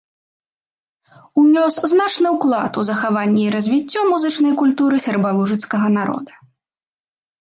Унёс значны ўклад у захаванне і развіццё музычнай культуры сербалужыцкага народа.